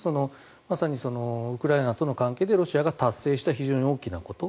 まさにウクライナとの関係でロシアが達成した非常に大きなこと。